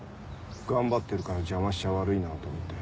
頑張ってるから邪魔しちゃ悪いなと思って。